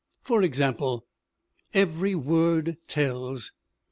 For example: Every word tells.